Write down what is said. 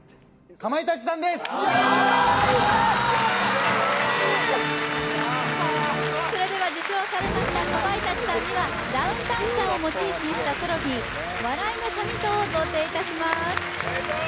かまいたちそれでは受賞されましたかまいたちさんにはダウンタウンさんをモチーフにしたトロフィー笑いの神像を贈呈いたします